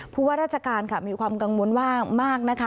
ผู้ว่าราชการค่ะมีความกังวลว่ามากนะคะ